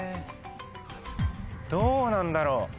どうなんだろう？